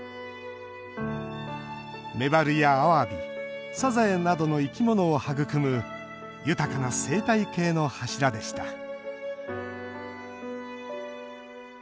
メバルやアワビ、サザエなどの生き物を育む豊かな生態系の柱でした。